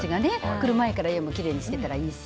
来る前からきれいにしといたらいいし。